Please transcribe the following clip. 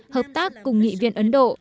hợp tác cùng nghị viện ấn độ